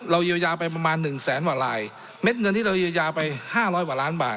เรายยายาไปประมาณ๑แสนวาลายเม็ดเงินที่เรายยายาไป๕๐๐วาลล้านบาท